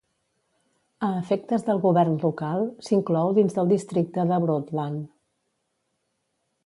A efectes del govern local, s'inclou dins del districte de Broadland.